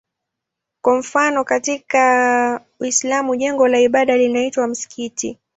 Kwa mfano katika Uislamu jengo la ibada linaitwa msikiti.